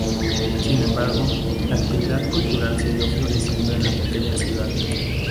Sin embargo, la actividad cultural siguió floreciendo en la pequeña ciudad.